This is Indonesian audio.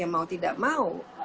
mau tidak mau